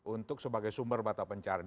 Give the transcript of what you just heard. untuk sebagai sumber mata pencarian